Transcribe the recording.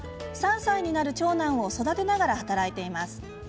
３歳になる長男を育てながら働いています。